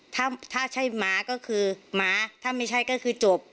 ถ้าถ้าใช่หมาก็คือหมาถ้าไม่ใช่ก็คือจบ